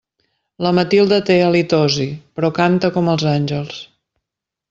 La Matilde té halitosi, però canta com els àngels.